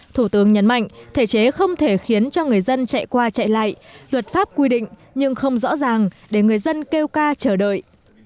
thủ tướng nhấn mạnh thể chế không thể khiến cho người dân chạy qua chạy lại luật pháp quy định nhưng không rõ ràng để người dân kêu ca chờ đợi